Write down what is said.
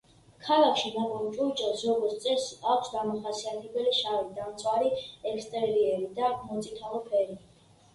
ქალაქში ნაპოვნ ჭურჭელს, როგორც წესი, აქვს დამახასიათებელი შავი, დამწვარი ექსტერიერი და მოწითალო ფერი.